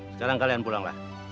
sekarang kalian pulanglah